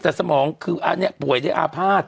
แต่สมองคืออันนี้ป่วยด้วยอาภาษณ์